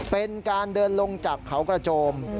เป็นการเดินลงจากเขากระโจม